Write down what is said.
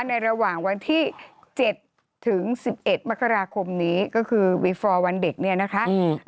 ในระหว่างวันที่๗ถึง๑๑มกราคมนี้ก็คือวีฟอร์วันเด็กเนี่ยนะคะ